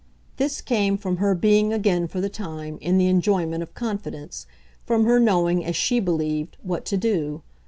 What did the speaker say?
This came from her being again, for the time, in the enjoyment of confidence, from her knowing, as she believed, what to do.